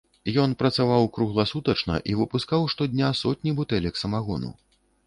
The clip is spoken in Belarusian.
Ён працаваў кругласутачна і выпускаў штодня сотні бутэлек самагону.